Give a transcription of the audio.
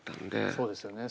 そうですよね。